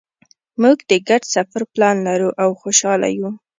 مونږ د ګډ سفر پلان لرو او خوشحاله یو